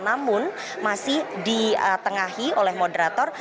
namun masih ditengahi oleh moderator